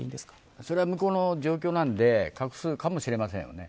それは向こうの状況なんで隠すかもしれませんね。